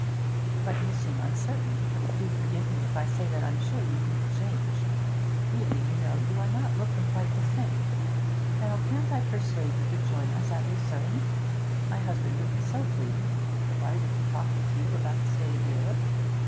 'But you seem uncertain. Do forgive me if I say that I'm sure you need a change. Really, you know, you are not looking quite the thing. Now, can't I persuade you to join us at Lucerne? My husband would be so pleased delighted to talk with you about the state of Europe.